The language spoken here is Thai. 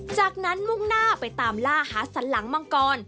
จากนั้นมุ่งหน้าไปตามล่าหาสันหลังมังกร